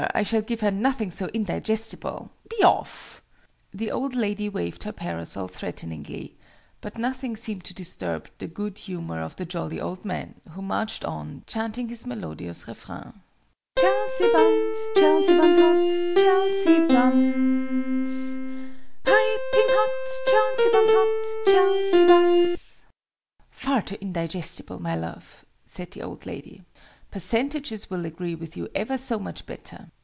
I shall give her nothing so indigestible! Be off!" The old lady waved her parasol threateningly: but nothing seemed to disturb the good humour of the jolly old man, who marched on, chanting his melodious refrain: [Music: Chel sea buns! Chel sea buns hot! Chel sea buns! Pi ping hot! Chel sea buns hot! Chel sea buns!] "Far too indigestible, my love!" said the old lady. "Percentages will agree with you ever so much better!"